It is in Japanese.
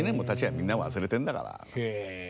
みんな忘れてんだから。